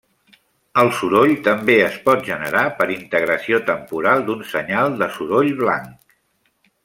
El soroll també es pot generar per integració temporal d'un senyal de soroll blanc.